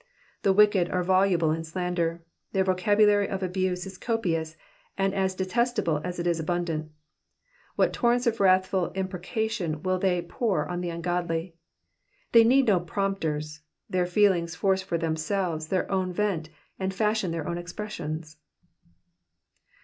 The wicked are voluble in slander ; their ▼ocabulary of abuse is copious, and as detestable as it is abundant. What torrents of wrathful imprecation will they pour on the godly I They need no prompters, Digitized by VjOOQIC 78 . EXPOSITIONS OF THE PSALMS. their feelings force for themselves their own vent, and fashion their own expres sions.